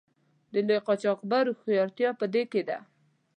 د لوی قاچاقبر هوښیارتیا په دې کې وه.